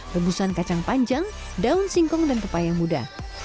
rembusan kacang panjang daun singkong dan pepayang muda